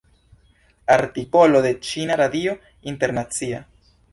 Artikolo de Ĉina Radio Internacia.